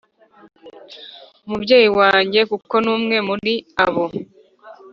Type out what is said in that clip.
umubyeyi wanjye kuko n’umwe muri abo